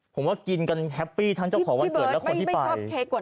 ผมว่ากินกันแฮปปี้ทั้งเจ้าของวันเกิดและคนที่ไป